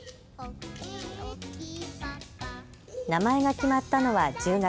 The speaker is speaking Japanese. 名前が決まったのは１０月。